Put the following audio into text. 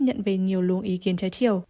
nhận về nhiều lưu ý kiến trái chiều